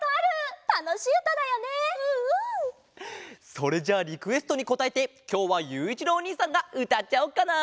それじゃあリクエストにこたえてきょうはゆういちろうおにいさんがうたっちゃおっかな。